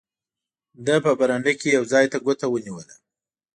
ده په برنډه کې یو ځای ته ګوته ونیوله.